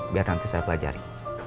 biar nanti saya pelajari